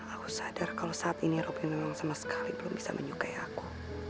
aku sadar kalau saat ini robin memang sama sekali belum bisa menyukai aku